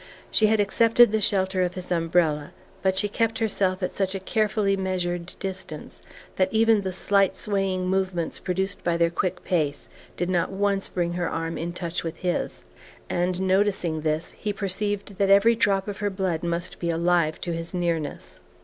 She had accepted the shelter of his umbrella, but she kept herself at such a carefully measured distance that even the slight swaying movements produced by their quick pace did not once bring her arm in touch with his; and, noticing this, he perceived that every drop of her blood must be alive to his nearness.